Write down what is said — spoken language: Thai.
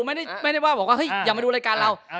ไม่ได้ว่าอย่ามาดูรายการเรา